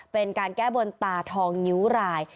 เป็นการแก้บนตาทองงิ้วราย